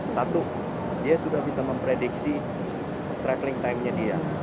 satu dia sudah bisa memprediksi travelling timenya dia